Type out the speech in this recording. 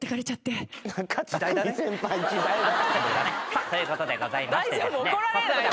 さあということでございましてですね。